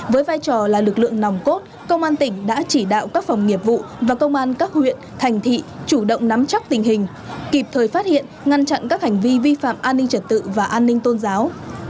với vai trò là lực lượng nòng cốt công an tỉnh đã chỉ đạo các phòng nghiệp vụ và công an các huyện thành thị chủ động nắm chắc tình hình kịp thời phát hiện ngăn chặn các hành vi vi phạm an ninh trật tự và an ninh tôn giáo